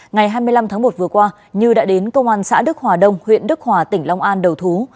ngày hai mươi năm tháng một vừa qua như đã đến công an xã đức hòa đông huyện đức hòa tỉnh long an đầu thú